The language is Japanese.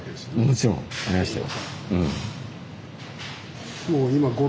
もちろんありましたよ。